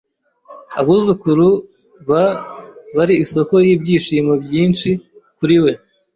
Abuzukuru ba bari isoko y'ibyishimo byinshi kuri we.